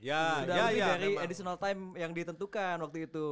udah lebih dari additional time yang ditentukan waktu itu